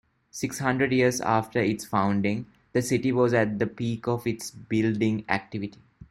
Six hundred years after its founding, the city was at the peak of its building activity.